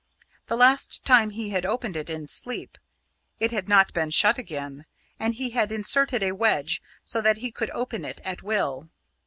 The last time he had opened it in sleep, it had not been shut again, and he had inserted a wedge so that he could open it at will.